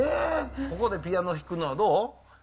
えー、ここでピアノ弾くのはどう？